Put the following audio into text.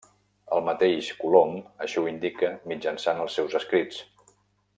El mateix Colom així ho indica mitjançant els seus escrits.